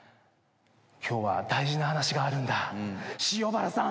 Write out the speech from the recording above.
今日は大事な話があるんだ塩原さん！